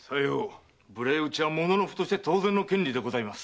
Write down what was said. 無礼討ちは武士として当然の権利でございます。